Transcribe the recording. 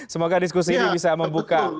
semoga diskusi ini bisa membuka